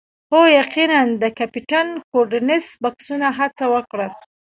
هو یقیناً د کیپټن ګوډنس بکسونه هڅه وکړه